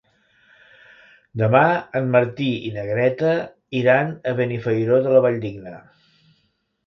Demà en Martí i na Greta iran a Benifairó de la Valldigna.